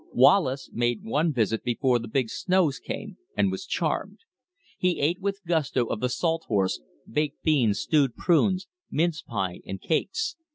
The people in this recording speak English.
Wallace made one visit before the big snows came, and was charmed. He ate with gusto of the "salt horse," baked beans, stewed prunes, mince pie, and cakes.